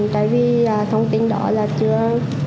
tại vì thông tin đó là chưa